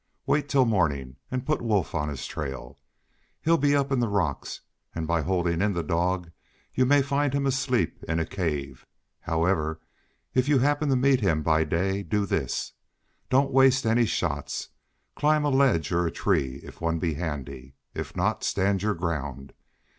Wait till morning, and put Wolf on his trail. He'll be up in the rocks, and by holding in the dog you may find him asleep in a cave. However, if you happen to meet him by day do this. Don't waste any shots. Climb a ledge or tree if one be handy. If not, stand your ground.